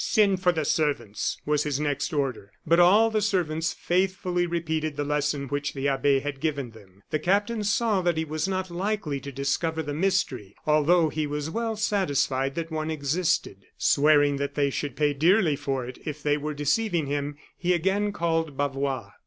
"Send for the servants," was his next order. But all the servants faithfully repeated the lesson which the abbe had given them. The captain saw that he was not likely to discover the mystery, although he was well satisfied that one existed. Swearing that they should pay dearly for it, if they were deceiving him, he again called Bavois.